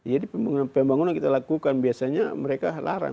jadi pembangunan kita lakukan biasanya mereka larang